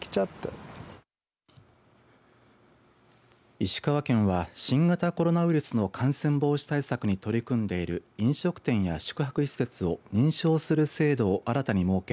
石川県は新型コロナウイルスの感染防止対策に取り組んでいる飲食店や宿泊施設を認証する制度を新たに設け